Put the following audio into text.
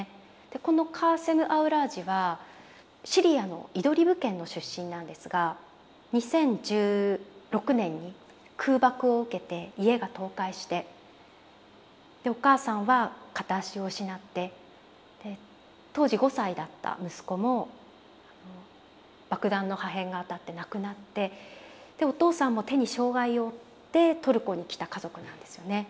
このカーセム・アウラージはシリアのイドリブ県の出身なんですが２０１６年に空爆を受けて家が倒壊してでお母さんは片足を失って当時５歳だった息子も爆弾の破片が当たって亡くなってでお父さんも手に障害を負ってトルコに来た家族なんですよね。